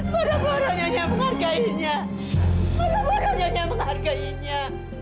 poro poro nyonya menghargainya poro poro nyonya menghargainya